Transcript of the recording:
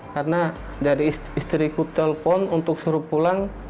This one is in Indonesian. karena dari istriku telpon untuk suruh pulang